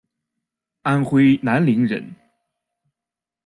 安徽南陵人。